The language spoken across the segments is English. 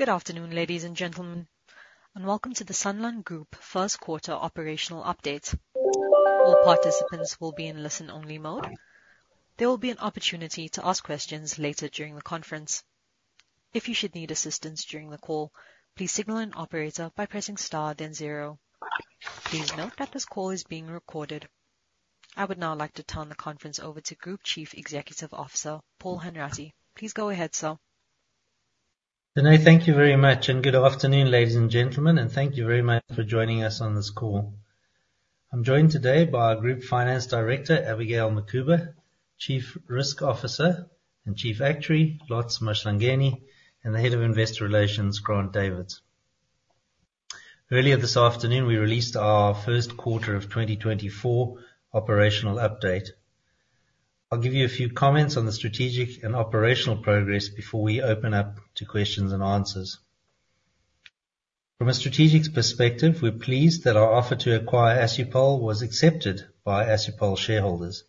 Good afternoon, ladies and gentlemen, and welcome to the Sanlam Group first quarter operational update. All participants will be in listen-only mode. There will be an opportunity to ask questions later during the conference. If you should need assistance during the call, please signal an operator by pressing star then zero. Please note that this call is being recorded. I would now like to turn the conference over to Group Chief Executive Officer, Paul Hanratty. Please go ahead, sir. Denay, thank you very much, and good afternoon, ladies and gentlemen, and thank you very much for joining us on this call. I'm joined today by our Group Finance Director, Abigail Mukhuba, Chief Risk Officer and Chief Actuary, Lotz Mahlangeni, and the Head of Investor Relations, Grant Davids. Earlier this afternoon, we released our first quarter of 2024 operational update. I'll give you a few comments on the strategic and operational progress before we open up to questions and answers. From a strategic perspective, we're pleased that our offer to acquire Assupol was accepted by Assupol shareholders.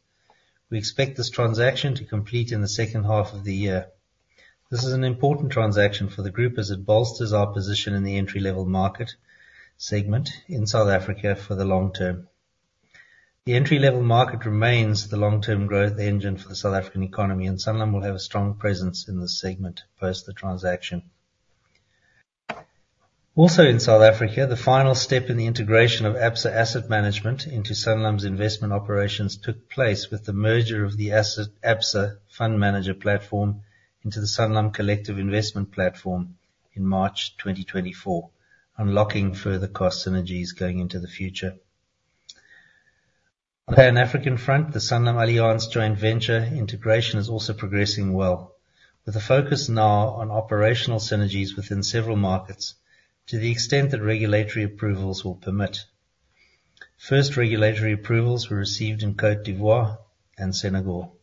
We expect this transaction to complete in the second half of the year. This is an important transaction for the group as it bolsters our position in the entry-level market segment in South Africa for the long term. The entry-level market remains the long-term growth engine for the South African economy, and Sanlam will have a strong presence in this segment post the transaction. Also in South Africa, the final step in the integration of Absa Asset Management into Sanlam's investment operations took place with the merger of the Absa Fund Managers platform into the Sanlam Collective Investments platform in March 2024, unlocking further cost synergies going into the future. On the Pan-African front, the SanlamAllianz joint venture integration is also progressing well, with a focus now on operational synergies within several markets to the extent that regulatory approvals will permit. First regulatory approvals were received in Côte d'Ivoire and Senegal.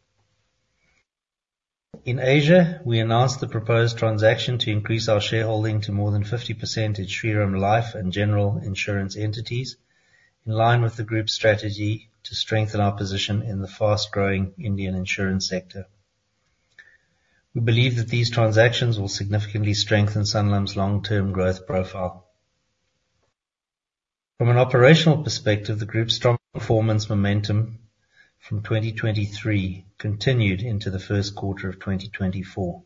In Asia, we announced the proposed transaction to increase our shareholding to more than 50% in Shriram Life and General Insurance entities, in line with the group's strategy to strengthen our position in the fast-growing Indian insurance sector. We believe that these transactions will significantly strengthen Sanlam's long-term growth profile. From an operational perspective, the group's strong performance momentum from 2023 continued into the first quarter of 2024.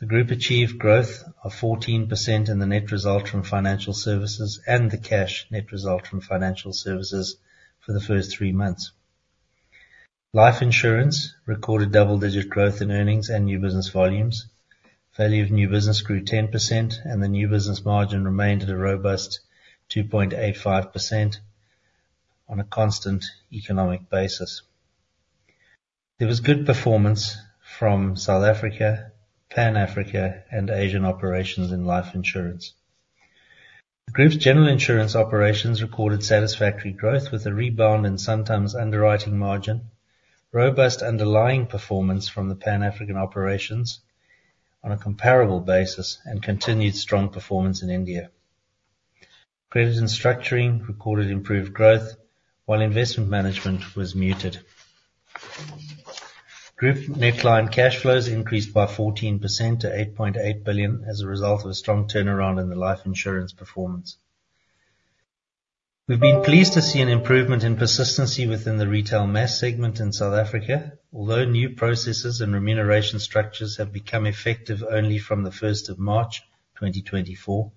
The group achieved growth of 14% in the net result from financial services and the cash net result from financial services for the first three months. Life insurance recorded double-digit growth in earnings and new business volumes. Value of new business grew 10%, and the new business margin remained at a robust 2.85% on a constant economic basis. There was good performance from South Africa, Pan-Africa, and Asian operations in life insurance. The group's general insurance operations recorded satisfactory growth with a rebound in sometimes underwriting margin, robust underlying performance from the Pan-African operations on a comparable basis and continued strong performance in India. Credit and structuring recorded improved growth, while investment management was muted. Group net client cash flows increased by 14% to 8.8 billion as a result of a strong turnaround in the life insurance performance. We've been pleased to see an improvement in persistency within the retail mass segment in South Africa. Although new processes and remuneration structures have become effective only from March 1st, 2024,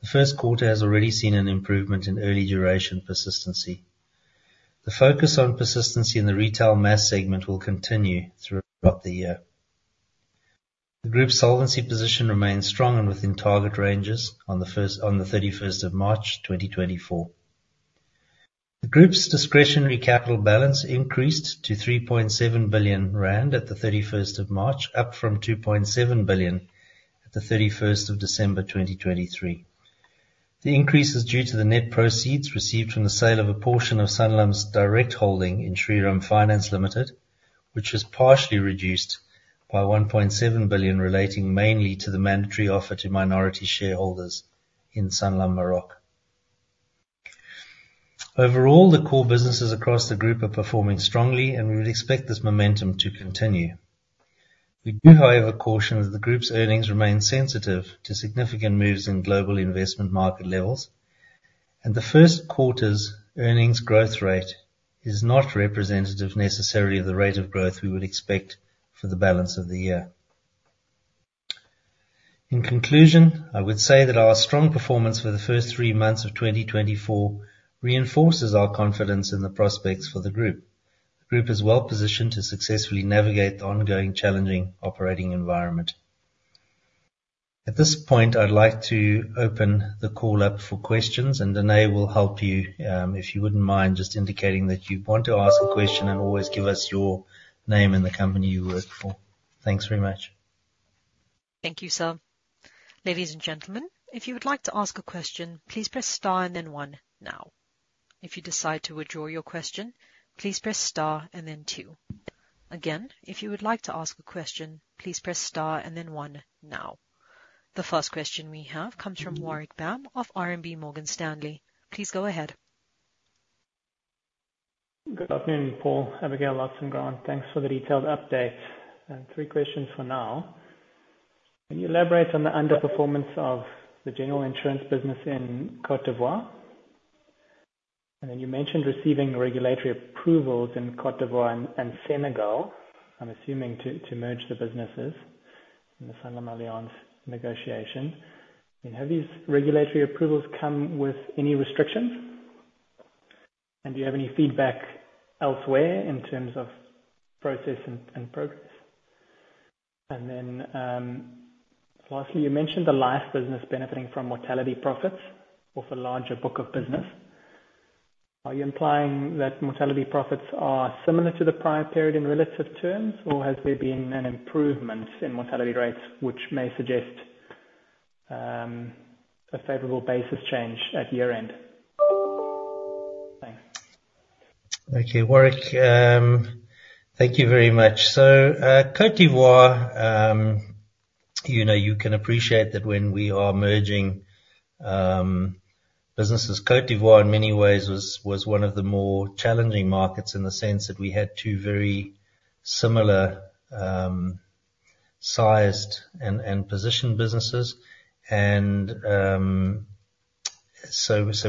the first quarter has already seen an improvement in early duration persistency. The focus on persistency in the retail mass segment will continue throughout the year. The group's solvency position remains strong and within target ranges on March 31st, 2024. The group's discretionary capital balance increased to 3.7 billion rand at March 31st, up from 2.7 billion at December 31st, 2023. The increase is due to the net proceeds received from the sale of a portion of Sanlam's direct holding in Shriram Finance Limited, which was partially reduced by 1.7 billion, relating mainly to the mandatory offer to minority shareholders in Sanlam Maroc. Overall, the core businesses across the group are performing strongly, and we would expect this momentum to continue. We do, however, caution that the group's earnings remain sensitive to significant moves in global investment market levels, and the first quarter's earnings growth rate is not representative necessarily of the rate of growth we would expect for the balance of the year. In conclusion, I would say that our strong performance for the first three months of 2024 reinforces our confidence in the prospects for the group. The group is well-positioned to successfully navigate the ongoing challenging operating environment. At this point, I'd like to open the call up for questions, and Denay will help you. If you wouldn't mind just indicating that you want to ask a question, and always give us your name and the company you work for. Thanks very much. Thank you, sir. Ladies and gentlemen, if you would like to ask a question, please press star and then one now. If you decide to withdraw your question, please press star and then two. Again, if you would like to ask a question, please press star and then one now. The first question we have comes from Warwick Bam of RMB Morgan Stanley. Please go ahead. Good afternoon, Paul, Abigail, Lotz, and Grant. Thanks for the detailed update. And three questions for now: Can you elaborate on the underperformance of the general insurance business in Côte d'Ivoire? And then you mentioned receiving regulatory approvals in Côte d'Ivoire and Senegal. I'm assuming to merge the businesses in the SanlamAllianz negotiation. And have these regulatory approvals come with any restrictions? And do you have any feedback elsewhere in terms of process and progress? And then, lastly, you mentioned the life business benefiting from mortality profits of a larger book of business. Are you implying that mortality profits are similar to the prior period in relative terms, or has there been an improvement in mortality rates, which may suggest a favorable basis change at year-end? Thanks. Thank you, Warwick. Thank you very much. So, Côte d'Ivoire, you know, you can appreciate that when we are merging businesses, Côte d'Ivoire, in many ways, was one of the more challenging markets in the sense that we had two very similar sized and positioned businesses. So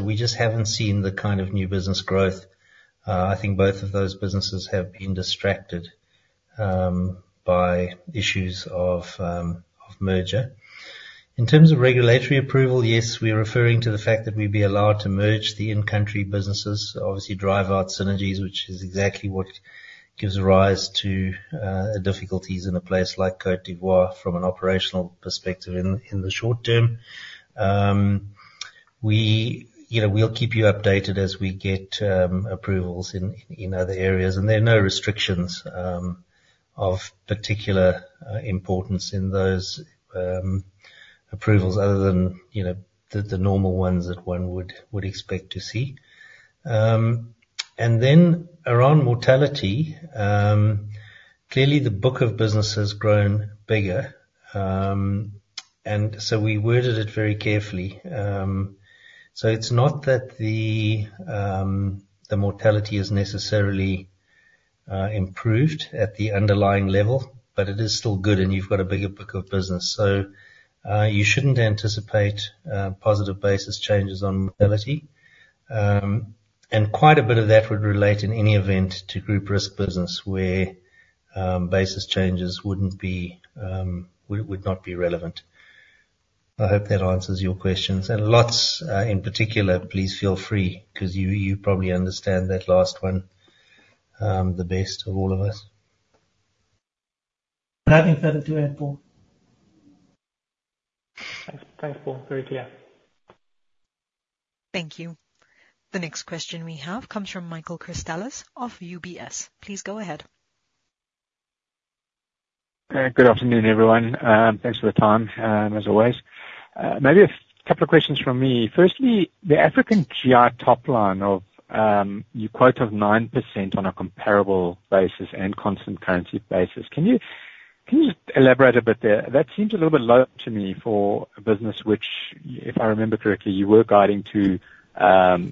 we just haven't seen the kind of new business growth. I think both of those businesses have been distracted by issues of merger. In terms of regulatory approval, yes, we are referring to the fact that we'd be allowed to merge the in-country businesses, obviously drive out synergies, which is exactly what gives rise to difficulties in a place like Côte d'Ivoire from an operational perspective in the short term. You know, we'll keep you updated as we get approvals in other areas. And there are no restrictions of particular importance in those approvals other than, you know, the normal ones that one would expect to see. And then around mortality, clearly the book of business has grown bigger. And so we worded it very carefully. So it's not that the mortality is necessarily improved at the underlying level, but it is still good, and you've got a bigger book of business. So you shouldn't anticipate positive basis changes on mortality. And quite a bit of that would relate, in any event, to group risk business, where basis changes wouldn't be relevant. I hope that answers your questions. And Lotz, in particular, please feel free, 'cause you probably understand that last one, the best of all of us. Nothing further to add, Paul. Thanks. Thanks, Paul. Very clear. Thank you. The next question we have comes from Michael Christelis of UBS. Please go ahead. Good afternoon, everyone. Thanks for the time, as always. Maybe a couple of questions from me. Firstly, the African GI top line of, you quote of 9% on a comparable basis and constant currency basis. Can you elaborate a bit there? That seems a little bit low to me for a business, which, if I remember correctly, you were guiding to,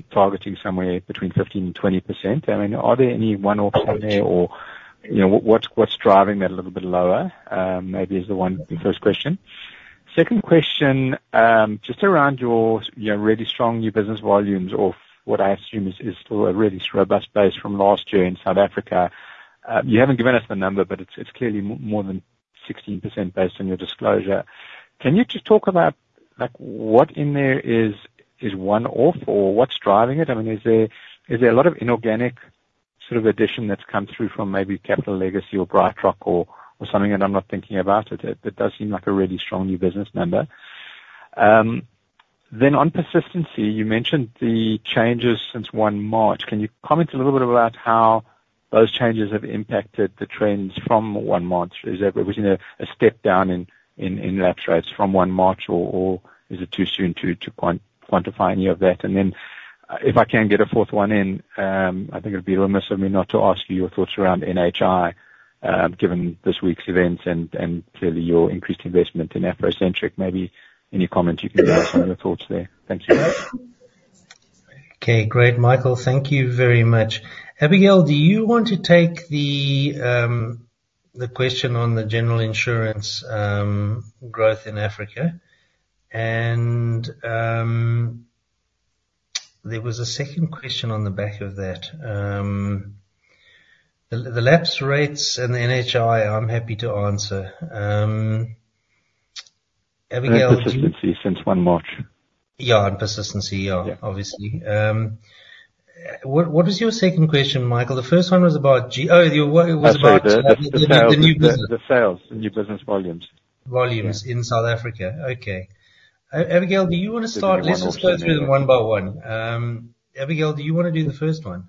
targeting somewhere between 15%-20%. I mean, are there any one-offs in there or, you know, what's driving that a little bit lower? Maybe is the one, the first question. Second question, just around your really strong new business volumes or what I assume is still a really robust base from last year in South Africa. You haven't given us the number, but it's clearly more than 16% based on your disclosure. Can you just talk about, like, what in there is one-off or what's driving it? I mean, is there a lot of inorganic sort of addition that's come through from maybe Capital Legacy or BrightRock or something that I'm not thinking about? It does seem like a really strong new business number. Then on persistency, you mentioned the changes since 1 March. Can you comment a little bit about how those changes have impacted the trends from 1 March? Was there a step down in lapse rates from 1 March, or is it too soon to quantify any of that? And then, if I can get a fourth one in, I think it'd be remiss of me not to ask you your thoughts around NHI, given this week's events and, and clearly your increased investment in AfroCentric. Maybe any comments you can give us on your thoughts there. Thank you. Okay. Great, Michael. Thank you very much. Abigail, do you want to take the question on the general insurance growth in Africa? And, there was a second question on the back of that. The lapse rates and the NHI, I'm happy to answer. Abigail, do you- Persistency since 1 March. Yeah, on persistency. Yeah. obviously. What was your second question, Michael? The first one was about the new business. I'm sorry. The sales, the new business volumes. Volumes- Yeah. - in South Africa. Okay. Abigail, do you wanna start? There's one more question. Let's just go through them one by one. Abigail, do you wanna do the first one?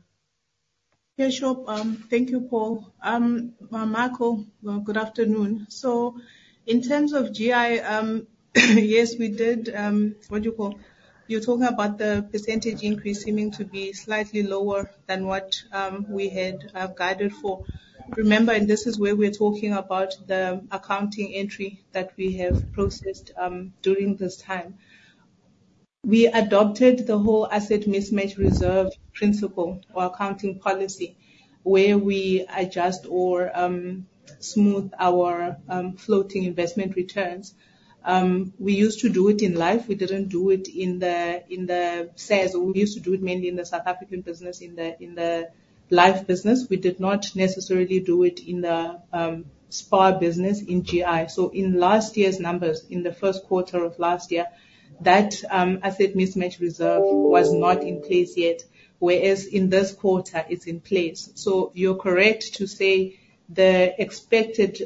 Yeah, sure. Thank you, Paul. Michael, good afternoon. So in terms of GI, yes, we did, what you call? You're talking about the percentage increase seeming to be slightly lower than what, we had, guided for. Remember, and this is where we're talking about the accounting entry that we have processed, during this time. We adopted the whole asset mismatch reserve principle or accounting policy, where we adjust or, smooth our, floating investment returns. We used to do it in life. We didn't do it in the, in the sales. We used to do it mainly in the South African business, in the, in the life business. We did not necessarily do it in the, spa business in GI. So in last year's numbers, in the first quarter of last year, that asset mismatch reserve was not in place yet, whereas in this quarter, it's in place. So you're correct to say the expected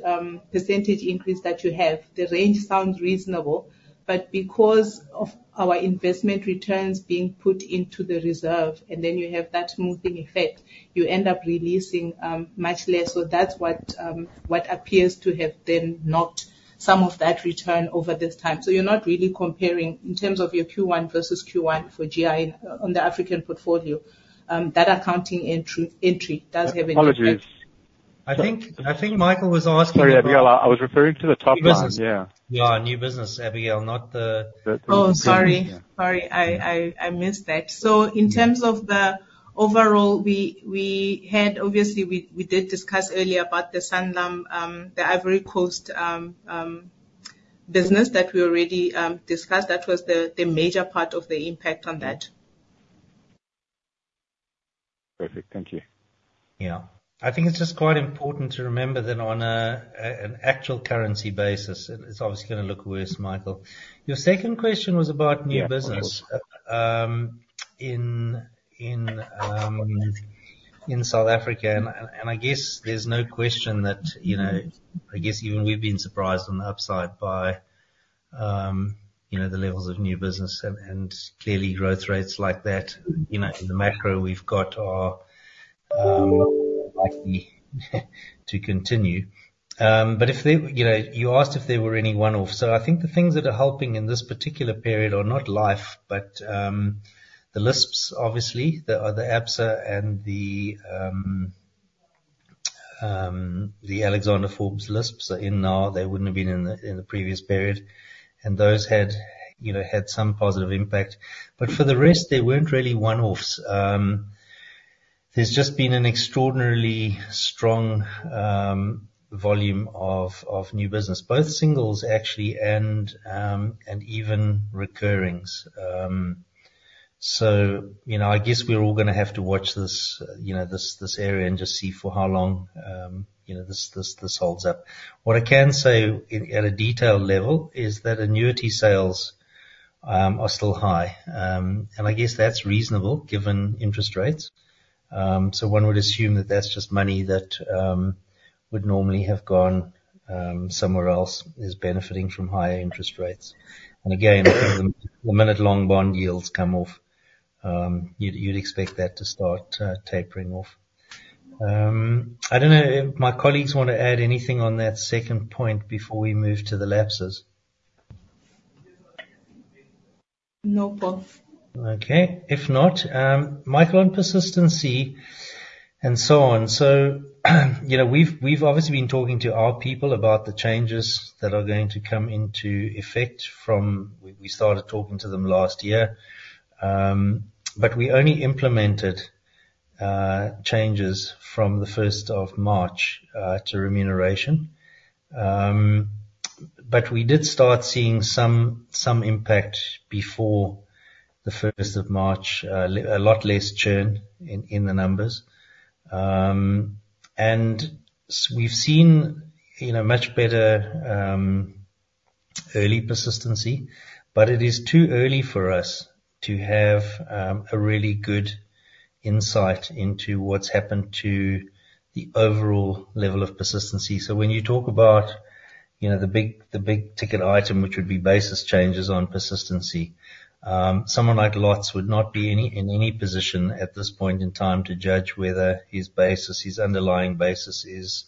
percentage increase that you have. The range sounds reasonable, but because of our investment returns being put into the reserve, and then you have that smoothing effect, you end up releasing much less. So that's what appears to have then not some of that return over this time. So you're not really comparing in terms of your Q1 versus Q1 for GI on the African portfolio. That accounting entry does have an- Apologies. I think, I think Michael was asking about— Sorry, Abigail. I was referring to the top line. Yeah. Yeah, new business, Abigail, not the— Oh, sorry. Sorry, I missed that. So in terms of the overall, we had obviously, we did discuss earlier about the Sanlam, the Ivory Coast, business that we already discussed. That was the major part of the impact on that. Perfect. Thank you. Yeah. I think it's just quite important to remember that on an actual currency basis, it's obviously gonna look worse, Michael. Your second question was about new business. In South Africa, and I guess there's no question that, you know, I guess even we've been surprised on the upside by, you know, the levels of new business, and clearly growth rates like that. You know, the macro we've got are likely to continue. But if they... You know, you asked if there were any one-off. So I think the things that are helping in this particular period are not life, but the LISPs, obviously. The other, Absa and the Alexander Forbes LISPs are in now. They wouldn't have been in the previous period. Those had, you know, had some positive impact. But for the rest, they weren't really one-offs. There's just been an extraordinarily strong volume of new business, both singles actually, and even recurrings. So, you know, I guess we're all gonna have to watch this, you know, this area and just see for how long, you know, this holds up. What I can say in at a detailed level is that annuity sales are still high. And I guess that's reasonable, given interest rates. So one would assume that that's just money that would normally have gone somewhere else, is benefiting from higher interest rates. And again, the minute long bond yields come off, you'd expect that to start tapering off. I don't know if my colleagues want to add anything on that second point before we move to the lapses? No, boss. Okay. If not, Michael, on persistency and so on. So, you know, we've obviously been talking to our people about the changes that are going to come into effect from... We started talking to them last year. But we only implemented changes from March 1st to remuneration. But we did start seeing some impact before March 1st, a lot less churn in the numbers. And we've seen, you know, much better early persistency, but it is too early for us to have a really good insight into what's happened to the overall level of persistency. So when you talk about, you know, the big, the big-ticket item, which would be basis changes on persistency, someone like Lotz would not be any, in any position at this point in time to judge whether his basis, his underlying basis is,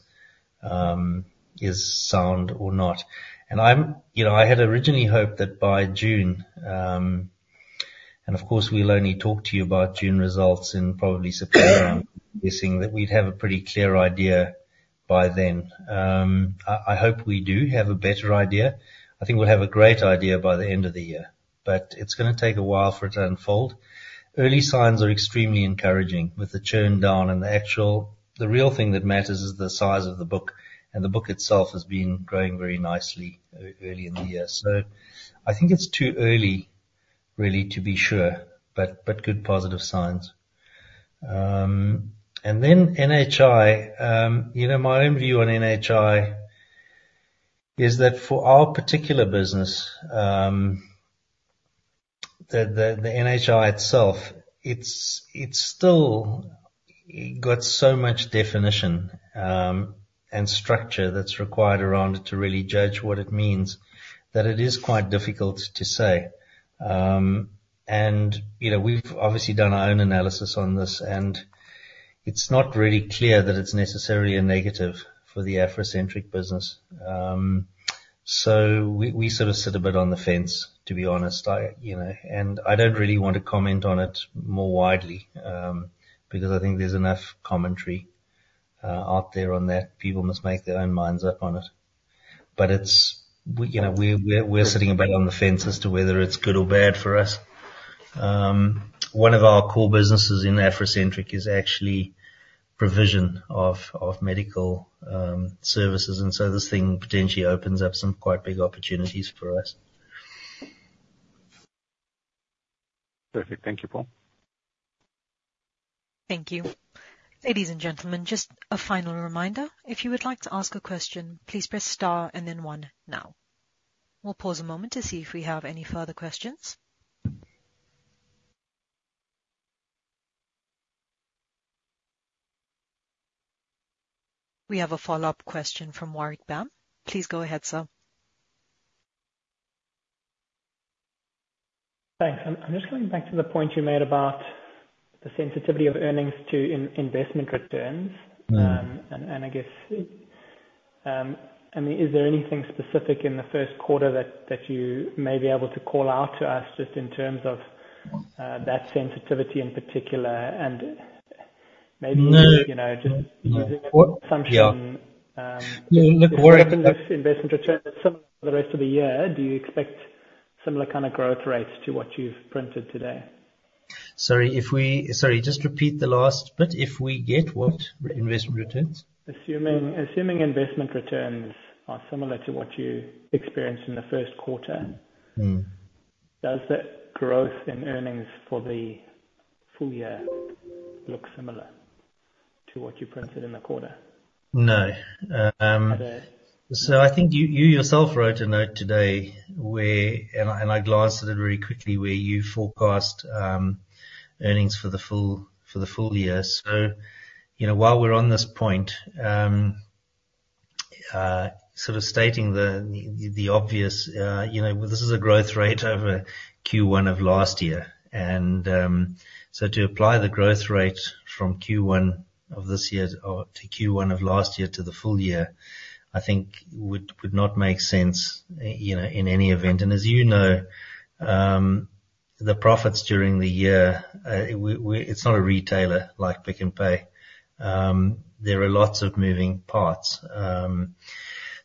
is sound or not. And You know, I had originally hoped that by June... And of course, we'll only talk to you about June results in probably September, guessing that we'd have a pretty clear idea by then. I, I hope we do have a better idea. I think we'll have a great idea by the end of the year, but it's gonna take a while for it to unfold. Early signs are extremely encouraging with the churn down, and the actual. The real thing that matters is the size of the book, and the book itself has been growing very nicely early in the year. So I think it's too early, really, to be sure, but good positive signs. And then NHI. You know, my own view on NHI is that for our particular business, the NHI itself, it's still got so much definition and structure that's required around it to really judge what it means, that it is quite difficult to say. And, you know, we've obviously done our own analysis on this, and it's not really clear that it's necessarily a negative for the AfroCentric business. So we sort of sit a bit on the fence, to be honest. You know, and I don't really want to comment on it more widely, because I think there's enough commentary out there on that. People must make their own minds up on it, but it's, we, you know, we're sitting a bit on the fence as to whether it's good or bad for us. One of our core businesses in AfroCentric is actually provision of medical services, and so this thing potentially opens up some quite big opportunities for us. Perfect. Thank you, Paul. Thank you. Ladies and gentlemen, just a final reminder, if you would like to ask a question, please press star and then one now. We'll pause a moment to see if we have any further questions. We have a follow-up question from Warwick Bam. Please go ahead, sir. Thanks. I'm just coming back to the point you made about the sensitivity of earnings to investment returns. Mm-hmm. And I guess, I mean, is there anything specific in the first quarter that you may be able to call out to us just in terms of that sensitivity in particular? And maybe, you know, just- Yeah. Assumption, um- Look, Warrick- Investment returns similar to the rest of the year, do you expect similar kind of growth rates to what you've printed today? Sorry, just repeat the last bit. If we get what? Investment returns. Assuming investment returns are similar to what you experienced in the first quarter- Mm. Does the growth in earnings for the full year look similar to what you printed in the quarter? No. Um- Okay. So I think you yourself wrote a note today where... And I glanced at it very quickly, where you forecast earnings for the full year. So, you know, while we're on this point, sort of stating the obvious, you know, this is a growth rate over Q1 of last year, and so to apply the growth rate from Q1 of this year or to Q1 of last year to the full year, I think would not make sense, you know, in any event. And as you know, the profits during the year, it's not a retailer like Pick n Pay. There are lots of moving parts.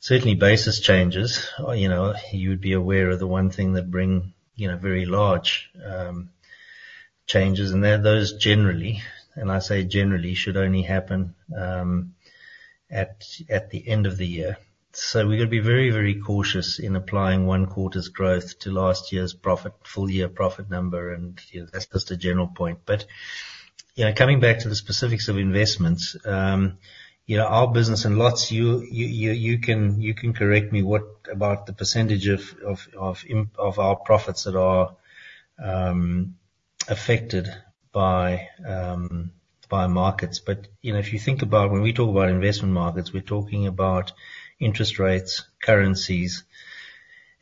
Certainly basis changes, or, you know, you would be aware of the one thing that bring, you know, very large changes, and those generally, and I say generally, should only happen at the end of the year. So we've got to be very, very cautious in applying one quarter's growth to last year's profit, full year profit number, and, you know, that's just a general point. But, you know, coming back to the specifics of investments, you know, our business and Lotz, you can correct me, what about the percentage of our profits that are affected by markets. But, you know, if you think about when we talk about investment markets, we're talking about interest rates, currencies,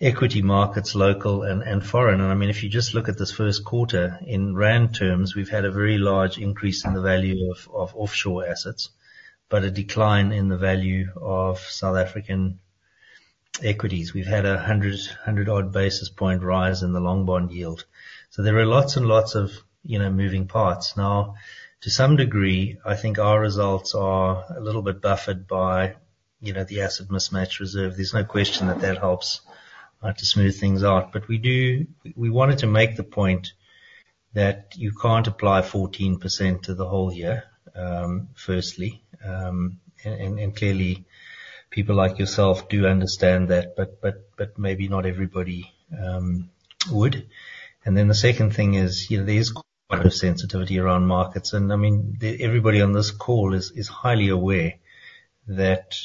equity markets, local and foreign. And I mean, if you just look at this first quarter, in rand terms, we've had a very large increase in the value of offshore assets, but a decline in the value of South African equities. We've had a 100-odd basis points rise in the long bond yield. So there are lots and lots of, you know, moving parts. Now, to some degree, I think our results are a little bit buffered by, you know, the asset mismatch reserve. There's no question that that helps to smooth things out. But we do. We wanted to make the point that you can't apply 14% to the whole year, firstly. And clearly, people like yourself do understand that, but maybe not everybody would. And then the second thing is, you know, there's quite a sensitivity around markets, and, I mean, everybody on this call is highly aware that,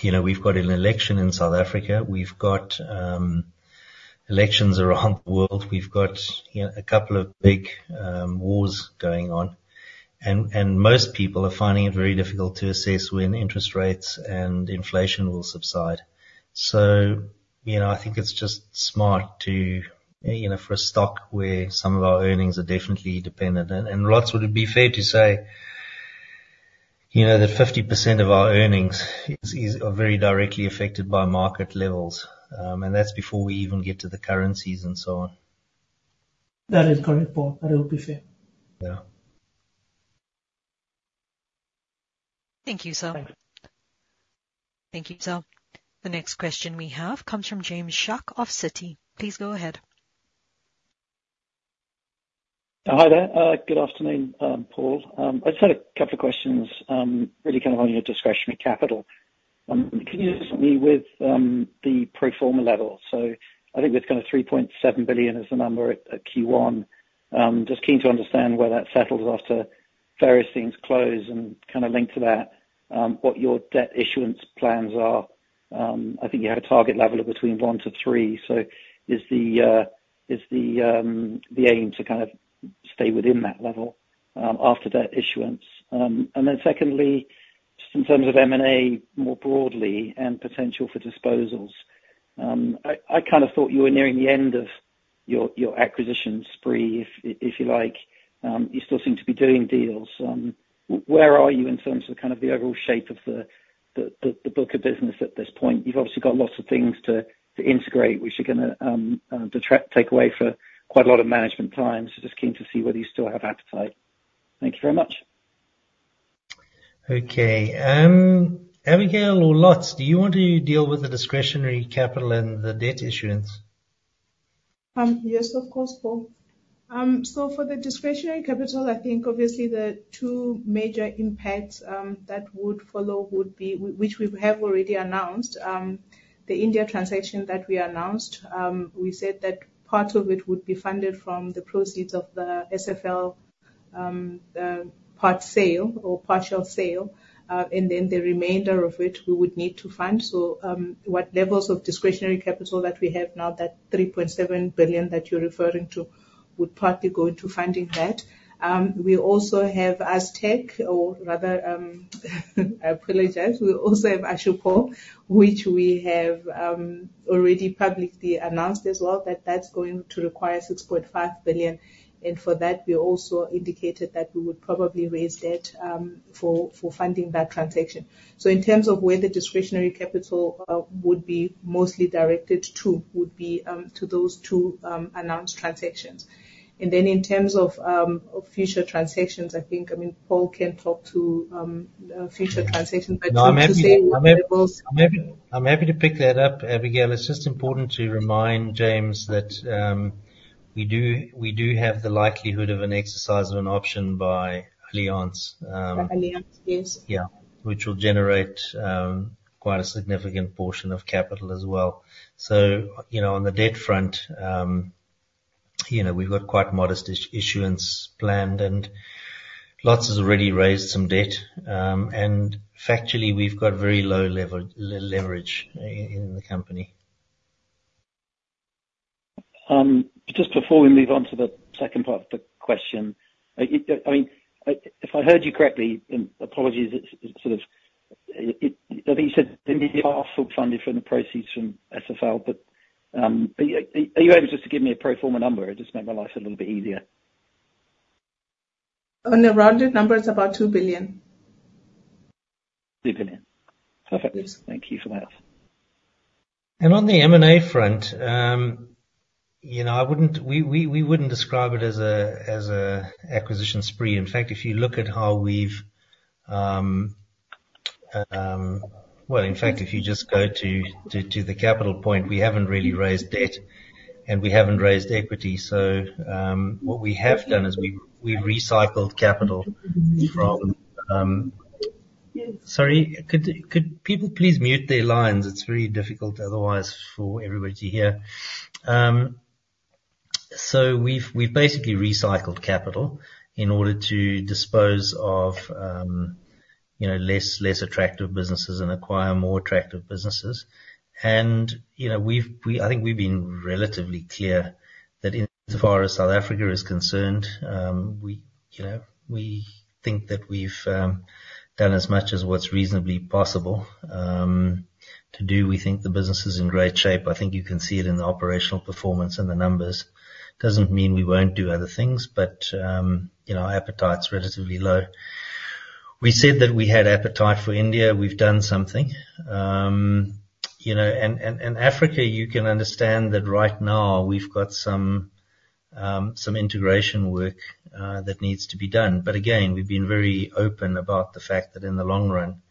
you know, we've got an election in South Africa. We've got elections around the world. We've got, you know, a couple of big wars going on, and most people are finding it very difficult to assess when interest rates and inflation will subside. So, you know, I think it's just smart to, you know, for a stock where some of our earnings are definitely dependent, and lots... Would it be fair to say, you know, that 50% of our earnings is, are very directly affected by market levels? And that's before we even get to the currencies and so on. That is correct, Paul. That would be fair. Yeah. Thank you, sir. Thank you, sir. The next question we have comes from James Shuck of Citi. Please go ahead. Hi there. Good afternoon, Paul. I just had a couple of questions, really kind of on your discretionary capital. Can you just with the pro forma level? So I think that's kind of 3.7 billion is the number at Q1. Just keen to understand where that settles after various things close, and kind of linked to that, what your debt issuance plans are. I think you had a target level of between 1 billion-3 billion, so is the aim to kind of stay within that level after that issuance? And then secondly, just in terms of M&A, more broadly, and potential for disposals, I kind of thought you were nearing the end of your acquisition spree, if you like. You still seem to be doing deals. Where are you in terms of kind of the overall shape of the book of business at this point? You've obviously got lots of things to integrate, which are gonna detract, take away for quite a lot of management time. So just keen to see whether you still have appetite. Thank you very much. Okay, Abigail or Lotz, do you want to deal with the discretionary capital and the debt issuance? Yes, of course, Paul. So for the discretionary capital, I think obviously the two major impacts that would follow would be, which we have already announced. The India transaction that we announced, we said that part of it would be funded from the proceeds of the SFL, part sale or partial sale, and then the remainder of which we would need to fund. So, what levels of discretionary capital that we have now, that three point seven billion that you're referring to, would partly go into funding that. We also have Astec, or rather, I apologize. We also have Assupol, which we have already publicly announced as well, that that's going to require 6.5 billion, and for that, we also indicated that we would probably raise debt, for funding that transaction. So in terms of where the discretionary capital would be mostly directed to, would be to those two announced transactions. And then, in terms of, of future transactions, I think, I mean, Paul can talk to future transactions, but- No, I'm happy, I'm happy, I'm happy to pick that up, Abigail. It's just important to remind James that, we do, we do have the likelihood of an exercise of an option by Allianz, By SanlamAllianz, yes. Yeah, which will generate quite a significant portion of capital as well. So, you know, on the debt front, you know, we've got quite modest issuance planned, and Lotz has already raised some debt. And factually, we've got very low level leverage in the company. Just before we move on to the second part of the question, I mean, if I heard you correctly, and apologies, it sort of, I think you said, India is half fully funded from the proceeds from SFL, but, are you able just to give me a pro forma number? It'll just make my life a little bit easier. On the rounded numbers, about 2 billion. 2 billion. Perfect. Yes. Thank you for that. On the M&A front, you know, we wouldn't describe it as an acquisition spree. In fact, if you look at how we've... Well, in fact, if you just go to the capital point, we haven't really raised debt, and we haven't raised equity. So, what we have done is we've recycled capital from- Sorry, could people please mute their lines? It's very difficult otherwise for everybody to hear. So we've basically recycled capital in order to dispose of, you know, less attractive businesses and acquire more attractive businesses. And, you know, I think we've been relatively clear that insofar as South Africa is concerned, we, you know, we think that we've done as much as what's reasonably possible, to do. We think the business is in great shape. I think you can see it in the operational performance and the numbers. Doesn't mean we won't do other things, but, you know, our appetite's relatively low. We said that we had appetite for India. We've done something. You know, and Africa, you can understand that right now we've got some integration work that needs to be done. But again, we've been very open about the fact that in the long run,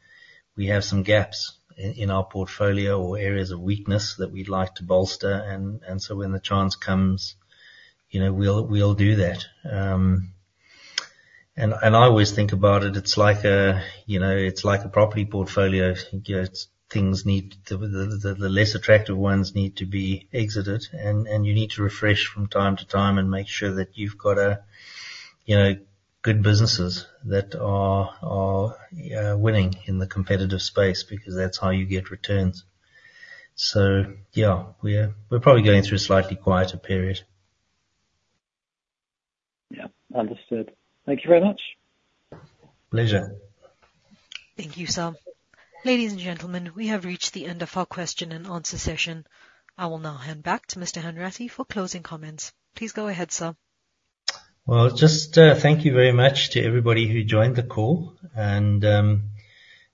we have some gaps in our portfolio or areas of weakness that we'd like to bolster. And so when the chance comes, you know, we'll do that. And I always think about it, it's like a, you know, it's like a property portfolio. You know, things need... The less attractive ones need to be exited, and you need to refresh from time to time and make sure that you've got a, you know, good businesses that are winning in the competitive space, because that's how you get returns. So yeah, we're probably going through a slightly quieter period. Yeah. Understood. Thank you very much. Pleasure. Thank you, sir. Ladies and gentlemen, we have reached the end of our question and answer session. I will now hand back to Mr. Hanratty for closing comments. Please go ahead, sir. Well, just thank you very much to everybody who joined the call, and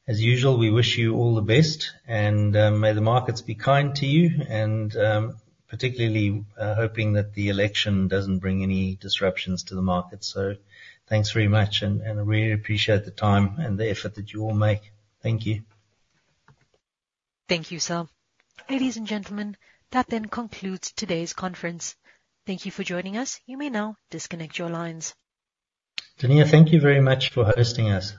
as usual, we wish you all the best, and may the markets be kind to you, and particularly hoping that the election doesn't bring any disruptions to the market. So thanks very much, and I really appreciate the time and the effort that you all make. Thank you. Thank you, sir. Ladies and gentlemen, that then concludes today's conference. Thank you for joining us. You may now disconnect your lines. Janine, thank you very much for hosting us.